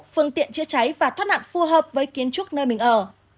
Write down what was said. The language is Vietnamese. phương tiện chữa cháy và thoát nạn phù hợp với kiến trúc nơi mình ở